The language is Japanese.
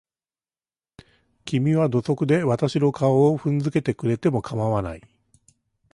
君は土足で私の顔を踏んづけてくれても構わない。